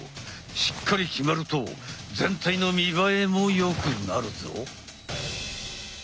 しっかり決まると全体の見栄えも良くなるぞ！